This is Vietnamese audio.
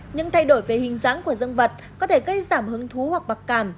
những thay đổi về hình dáng của dương vật có thể gây giảm hứng thú hoặc bạc cảm